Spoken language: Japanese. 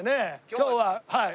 今日ははい。